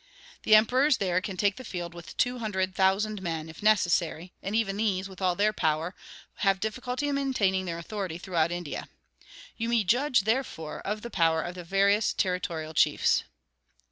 The emperors there can take the field with two hundred thousand men, if necessary; and even these, with all their power, have difficulty in maintaining their authority throughout India. You may judge, therefore, of the power of the various territorial chiefs."